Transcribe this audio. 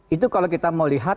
itu kalau kita mau lihat